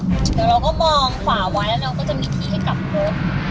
เดี๋ยวเราก็มองขวาไว้แล้วเราก็จะมีที่ให้กลับรถ